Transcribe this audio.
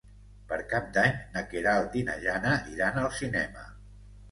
Per Cap d'Any na Queralt i na Jana iran al cinema.